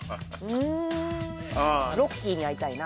うーんロッキーに会いたいな